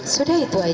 sudah itu aja